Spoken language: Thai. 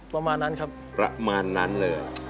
ประมาณนั้นครับประมาณนั้นเลย